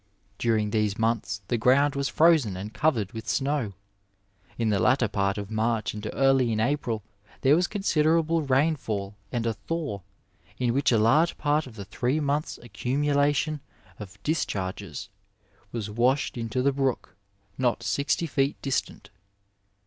During these months the ground was frozen and covered with snow. In the latter part of March and early in April there was conoiderable rainfall and a thaw, in which a large part of the three months' accumulation of discharges was washed into the brook not sixty feet distant.